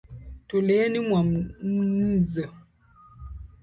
Tulieni mwamnzo.